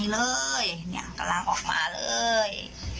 เลยเนี่ยกำลังออกมาเลย